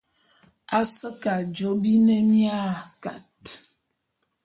A se ke ajô bi ne mia kat.